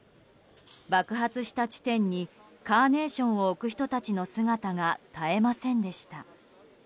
爆発した地点にカーネーションを置く人たちの姿が絶えませんでした。